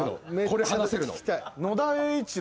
これ話せるの。